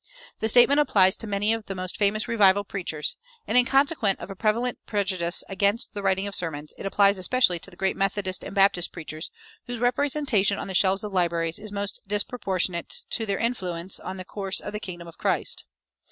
The statement applies to many of the most famous revival preachers; and in consequence of a prevalent prejudice against the writing of sermons, it applies especially to the great Methodist and Baptist preachers, whose representation on the shelves of libraries is most disproportionate to their influence on the course of the kingdom of Christ.